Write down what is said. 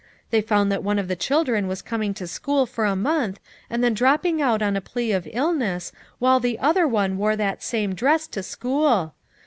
They found that one of the children was coming to school for a month, and then dropping out on a plea of ill ness while the other one wore that same dress to school.